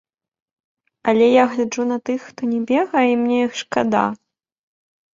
Але я гляджу на тых, хто не бегае, і мне іх шкада.